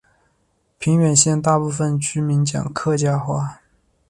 平远县大部分居民讲客家话。